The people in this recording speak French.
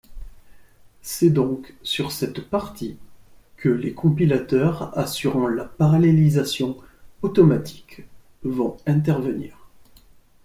C'est donc sur cette partie que les compilateurs assurant la parallélisation automatique vont intervenir.